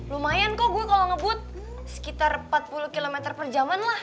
lumayan kok gue kalau ngebut sekitar empat puluh km per jaman lah